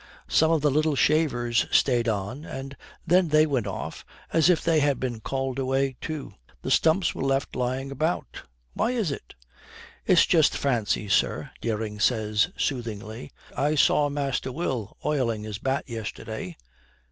Some of the little shavers stayed on and then they went off, as if they had been called away too. The stumps were left lying about. Why is it?' 'It's just fancy, sir,' Dering says soothingly, 'I saw Master Will oiling his bat yesterday.'